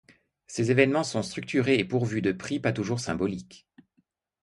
Ces évènements sont structurés et pourvus de prix pas toujours symboliques.